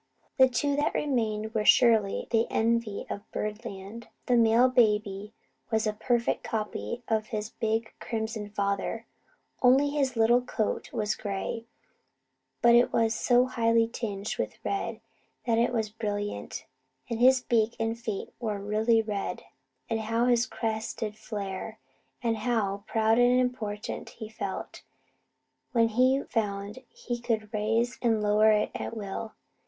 The two that remained were surely the envy of Birdland. The male baby was a perfect copy of his big crimson father, only his little coat was gray; but it was so highly tinged with red that it was brilliant, and his beak and feet were really red; and how his crest did flare, and how proud and important he felt, when he found he could raise and lower it at will.